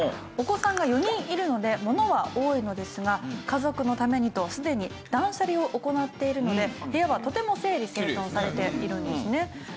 お子さんが４人いるのでものは多いのですが家族のためにとすでに断捨離を行っているので部屋はとても整理整頓されているんですね。